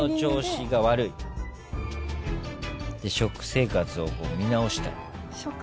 食生活を見直したい。